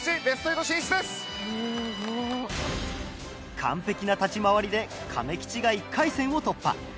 完璧な立ち回りでかめきちが１回戦を突破。